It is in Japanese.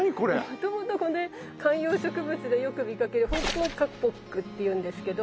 もともとこれ観葉植物でよく見かけるホンコンカポックっていうんですけど。